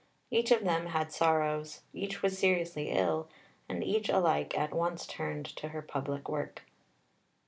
Each of them had sorrows, each was seriously ill, and each alike at once turned to her public work.